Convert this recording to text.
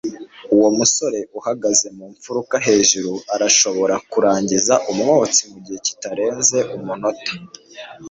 Uwo musore uhagaze mu mfuruka hejuru arashobora kurangiza umwotsi mugihe kitarenze umunota